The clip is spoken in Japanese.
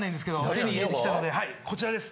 手に入れてきたのではいこちらです